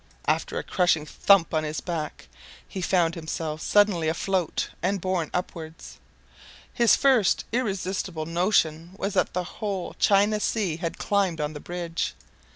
After a crushing thump on his back he found himself suddenly afloat and borne upwards. His first irresistible notion was that the whole China Sea had climbed on the bridge.